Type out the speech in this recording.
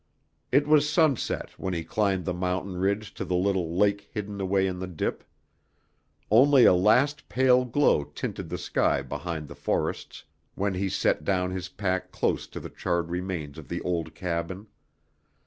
It was sunset when he climbed the mountain ridge to the little lake hidden away in the dip; only a last pale glow tinted the sky behind the forests when he set down his pack close to the charred remains of the old cabin.